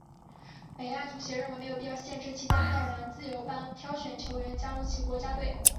北爱足协认为没有必要限制其在爱尔兰自由邦挑选球员加入其国家队。